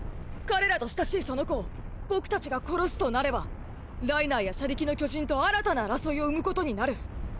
彼らと親しいその子を僕たちが殺すとなればライナーや車力の巨人と新たな争いを生むことになる。